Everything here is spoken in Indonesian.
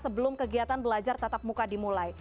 sebelum kegiatan belajar tatap muka dimulai